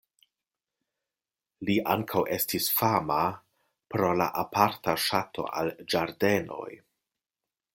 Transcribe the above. Li ankaŭ estis fama pro la aparta ŝato al ĝardenoj.